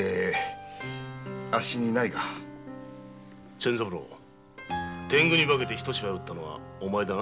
仙三郎天狗に化けてひと芝居うったのはお前だな？